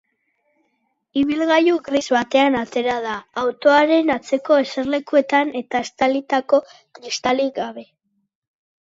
Ibilgailu gris batean atera da, autoaren atzeko eserlekuetan eta estalitako kristalik gabe.